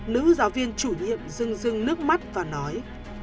nữ giáo viên chủ nhiệm rưng rưng nước mắt và nói